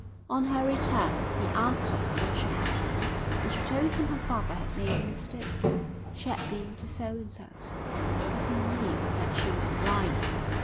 On her return he asked her where she had been and she told him her father had made a mistake; she had been to so and so's. But he knew that she was lying.